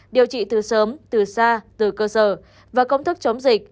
điều trị từ sớm từ xa từ cơ sở và công thức chống dịch